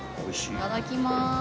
いただきまーす。